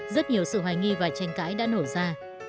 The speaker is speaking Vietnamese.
rất nhiều sự hoài nghi và tranh cãi đã nổ ra